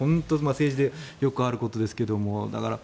政治でよくあることですか？